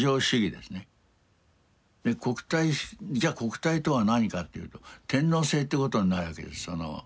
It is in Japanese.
国体じゃあ国体とは何かっていうと天皇制ってことになるわけです。